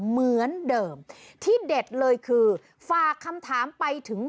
เหมือนเดิมที่เด็ดเลยคือฝากคำถามไปถึง